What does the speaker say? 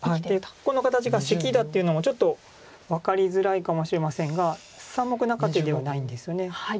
ここの形がセキだっていうのもちょっと分かりづらいかもしれませんが三目中手ではないんですよね。